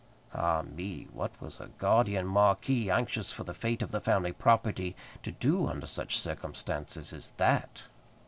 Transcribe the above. Ah me! what was a guardian marquis, anxious for the fate of the family property, to do under such circumstances as that?